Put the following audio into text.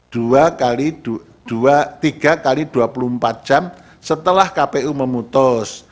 dua tiga x dua puluh empat jam setelah kpu memutus